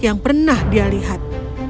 yang pernah ditetapkan